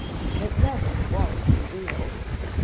It never was revealed.